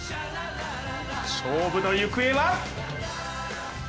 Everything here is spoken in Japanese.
勝負の行方は？